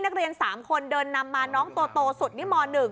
นักเรียน๓คนเดินนำมาน้องโตสุดนิม๑